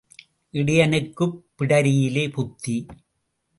இடையனுக்குப் பிடரியிலே புத்தி.